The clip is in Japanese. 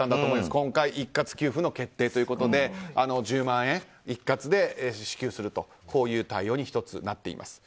今回、一括給付の決定ということで１０万円、一括で支給するという対応になっています。